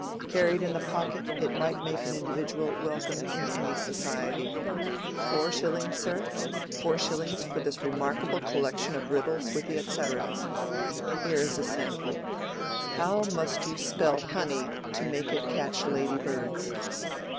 Carried in the pocket it might make an individual welcome in any society. Four shillings, sir?—four shillings for this remarkable collection of riddles with the et caeteras. Here is a sample: 'How must you spell honey to make it catch lady birds?